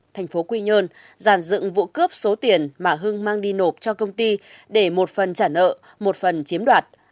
thành phố quy nhơn giàn dựng vụ cướp số tiền mà hưng mang đi nộp cho công ty để một phần trả nợ một phần chiếm đoạt